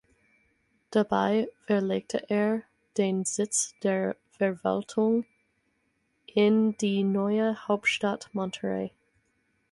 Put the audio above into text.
Dabei verlegte er den Sitz der Verwaltung in die neue Hauptstadt Monterey.